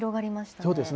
そうですね。